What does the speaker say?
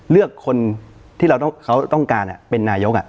เลือกคนที่เราเขาต้องการเป็นนายก